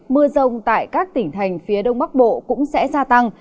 mưa rông tại các tỉnh thành phía đông bắc bộ cũng sẽ gia tăng